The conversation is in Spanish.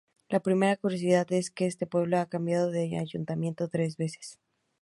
La primera curiosidad es que este pueblo ha cambiado de ayuntamiento tres veces.